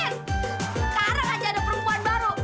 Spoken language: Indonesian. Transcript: sekarang aja ada perempuan baru